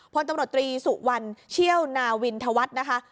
พลตำรวจตรีสุวรรณเชี่ยวนาวินธวัฒน์นะคะ